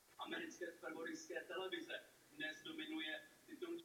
Celkový stav rozpočtů, jakožto i efektivnost investic budeme nadále monitorovat.